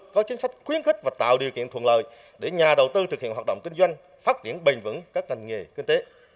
có chính sách khuyến khích và tạo điều kiện thuận lợi để nhà đầu tư thực hiện hoạt động kinh doanh phát triển bền vững các ngành nghề kinh tế